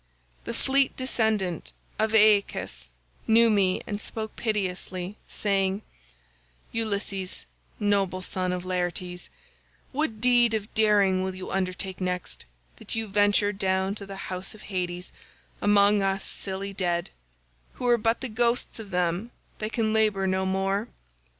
The fleet descendant of Aeacus knew me and spoke piteously, saying, 'Ulysses, noble son of Laertes, what deed of daring will you undertake next, that you venture down to the house of Hades among us silly dead, who are but the ghosts of them that can labour no more?